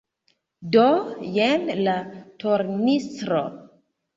Do jen la tornistro.